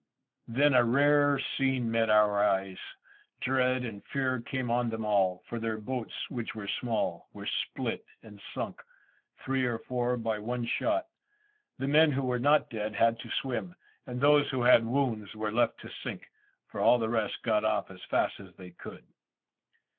Then a rare scene met our eyes: dread and fear came on them all, for their boats, which were small, were split and sunk three or four by one shot. The men who were not dead had to swim, and those who had wounds were left to sink, for all the rest got off as fast as they could.